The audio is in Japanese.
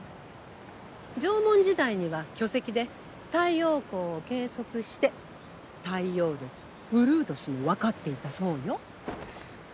縄文時代には巨石で太陽光を計測して太陽暦うるう年も分かっていたそうよ。